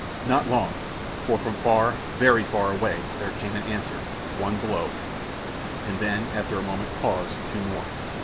Not long; for from far, very far away, there came an answer, one blow, and then, after a moment's pause, two more.